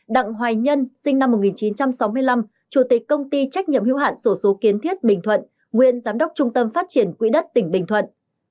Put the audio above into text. hai đặng hoài nhân sinh năm một nghìn chín trăm sáu mươi năm chủ tịch công ty trách nhiệm hưu hạn sổ số kiến thiết bình thuận nguyên giám đốc trung tâm phát triển quỹ đất tỉnh bình thuận